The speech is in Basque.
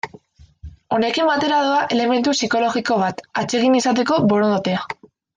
Honekin batera doa elementu psikologiko bat, atsegin izateko borondatea.